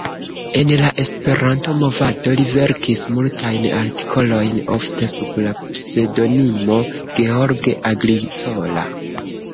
En la Esperanto-movado, li verkis multajn artikolojn, ofte sub la pseŭdonimo "George Agricola".